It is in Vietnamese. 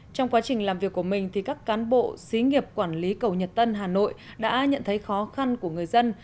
trong quá trình làm việc của mình các cán bộ xí nghiệp quản lý cầu nhật tân hà nội đã nhận thấy khó khăn của người dân